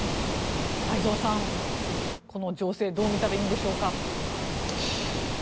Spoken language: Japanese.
太蔵さん、この情勢どう見たらいいんでしょうか。